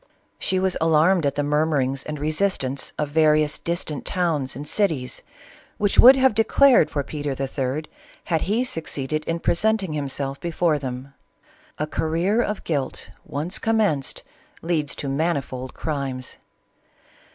She was alarmed at the murmurings and resist ance of various distant towns and cities, which would have declared for Peter III. had he succeeded in pre senting himself before them. A career of guilt once commenced leads to manifold crimes.